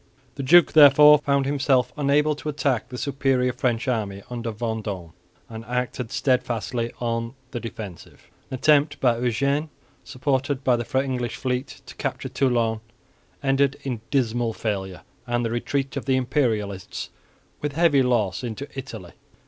The duke therefore found himself unable to attack the superior French army under Vendôme, and acted steadfastly on the defensive. An attempt by Eugene, supported by the English fleet, to capture Toulon ended in dismal failure and the retreat of the Imperialists with heavy loss into Italy.